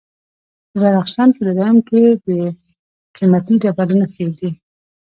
د بدخشان په درایم کې د قیمتي ډبرو نښې دي.